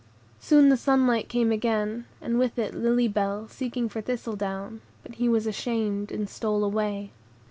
Soon the sunlight came again, and with it Lily Bell seeking for Thistledown; but he was ashamed, and stole away.